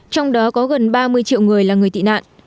trong đó có gần ba mươi triệu người là người tị nạn